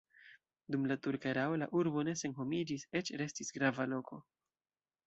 Dum la turka erao la urbo ne senhomiĝis, eĉ restis grava loko.